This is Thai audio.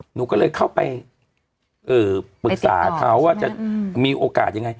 หนูก็เลยเข้าไปปรึกษาเขาว่าจะมีโอกาสยังไง